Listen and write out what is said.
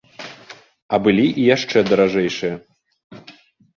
А былі і яшчэ даражэйшыя.